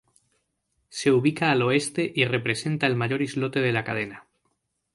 Se ubica al oeste y representa el mayor islote de la cadena.